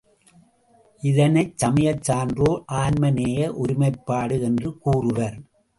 இதனைச்சமயச் சான்றோர் ஆன்மநேய ஒருமைப்பாடு என்று கூறுவர்.